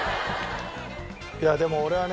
いやでも俺はね